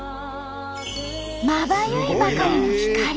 まばゆいばかりの光。